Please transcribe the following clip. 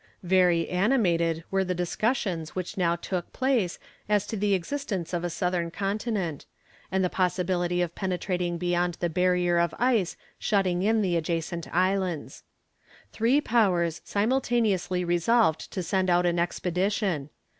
Very animated were the discussions which now took place as to the existence of a southern continent, and the possibility of penetrating beyond the barrier of ice shutting in the adjacent islands. Three powers simultaneously resolved to send out an expedition.